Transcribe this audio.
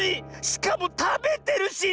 しかもたべてるし！